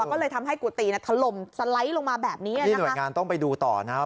ก็เลยทำให้กุฏิน่ะถล่มสไลด์ลงมาแบบนี้อ่ะนี่หน่วยงานต้องไปดูต่อนะครับ